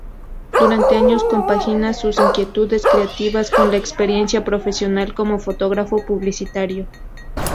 Durante años compagina sus inquietudes creativas con la experiencia profesional como fotógrafo publicitario.